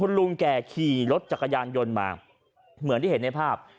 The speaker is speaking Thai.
ลุงแก่ขี่รถจักรยานยนต์มาเหมือนที่เห็นในภาพ